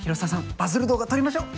バズる動画撮りましょう。